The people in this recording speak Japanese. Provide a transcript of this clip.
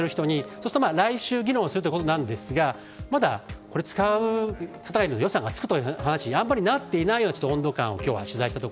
そうすると来週議論するということなんですがまだ予算がつくという話にあまりなっていないという温度感がでした。